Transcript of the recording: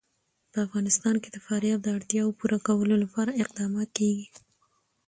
په افغانستان کې د فاریاب د اړتیاوو پوره کولو لپاره اقدامات کېږي.